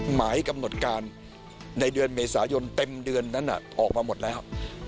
หมายกำหนดการในเดือนเมษายนเต็มเดือนนั้นออกมาหมดแล้ว